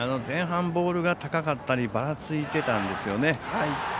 前半、ボールが高かったりばらついていたんですよね。